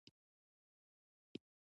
نو وايم ځناور به چرته انسانان نشي -